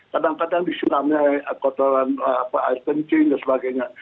kadang kadang disinam air kencing dan sebagainya